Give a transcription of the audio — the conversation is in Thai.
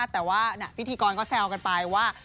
แต่ว่าพิธีกรก็แซวกันไปว่า